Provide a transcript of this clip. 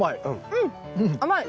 うん甘い。